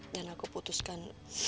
dan aku putuskan